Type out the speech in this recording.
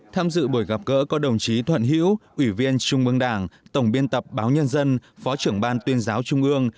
tham dự buổi gặp cỡ có đồng chí thuận hữu ủy viên trung ương đảng tổng biên tập báo nhân dân phó trưởng ban tuyên giáo trung ương